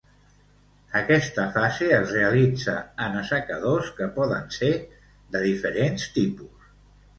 Aquesta fase es realitza en assecadors que poden ser de diferents tipus.